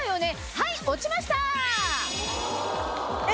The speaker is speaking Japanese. はい落ちました！